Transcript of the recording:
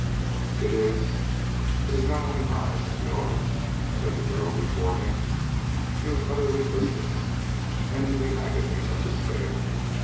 "It is it is not only I, Senhor," said the girl before him. She was utterly listless, and in the agony of despair.